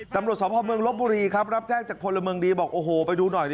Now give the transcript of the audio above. ตำรวจสพเมืองลบบุรีครับรับแจ้งจากพลเมืองดีบอกโอ้โหไปดูหน่อยดิ